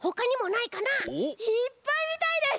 いっぱいみたいです！